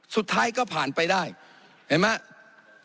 สุดท้ายก็ผ่านไปได้เห็นไหม